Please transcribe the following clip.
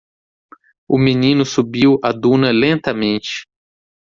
O menino subiu a duna lentamente.